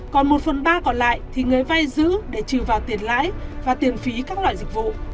còn một phần ba còn lại thì người vay giữ để trừ vào tiền lãi và tiền phí các loại dịch vụ